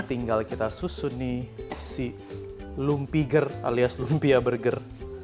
tinggal kita susun si lumpi ger alias lumpia burger